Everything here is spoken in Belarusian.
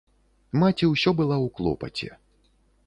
Маці ўсё была ў клопаце.